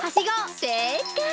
せいかい！